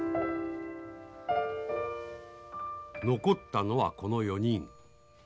残ったのはこの４人。